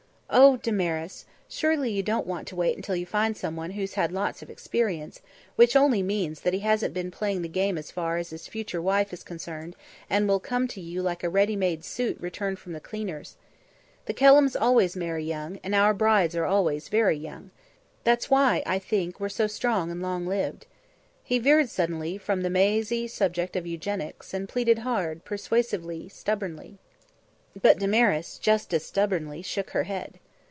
"Oh, Damaris! Surely you don't want to wait until you find someone who's had lots of experience, which only means that he hasn't been playing the game as far as his future wife is concerned and will come to you like a ready made suit returned from the cleaner's. The Kelhams always marry young, and our brides are always very young. That's why, I think, we're so strong and long lived." He veered suddenly from the mazy subject of eugenics and pleaded hard, persuasively, stubbornly. But Damaris, just as stubbornly, shook her head.